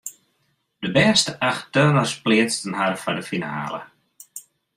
De bêste acht turners pleatsten har foar de finale.